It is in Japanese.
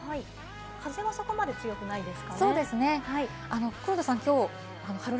風はそこまで強くないんです